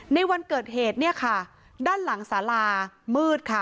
ในวันเกิดเหตุเนี่ยค่ะด้านหลังสารามืดค่ะ